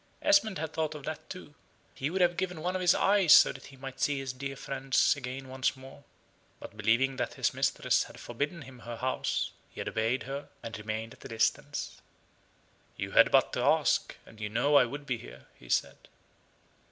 Esmond had thought of that too. He would have given one of his eyes so that he might see his dear friends again once more; but believing that his mistress had forbidden him her house, he had obeyed her, and remained at a distance. "You had but to ask, and you know I would be here," he said.